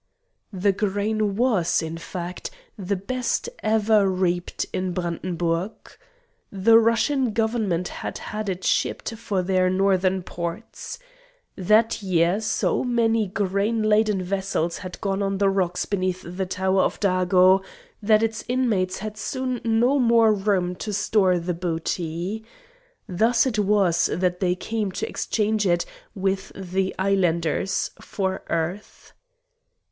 The grain was, in fact, the best ever reaped in Brandenburg. The Russian Government had had it shipped for their northern ports. That year so many grain laden vessels had gone on the rocks beneath the Tower of Dago, that its inmates had soon no more room to store the booty. Thus it was that they came to exchange it with the islanders for earth.